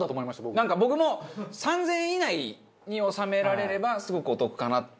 なんか僕も３０００円以内に収められればすごくお得かなって。